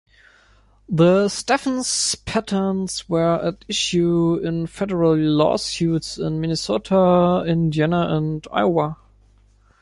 The Steffen Patents were at issue in federal lawsuits in Minnesota, Indiana and Iowa.